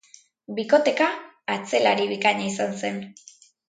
Bikoteka, atzelari bikaina izan zen.